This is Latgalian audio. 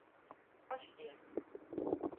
Paškiert.